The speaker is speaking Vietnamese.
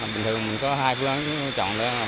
bình thường mình có hai phương án chọn đó